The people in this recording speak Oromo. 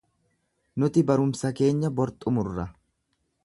Nuti barumsa keenya bor xumurra.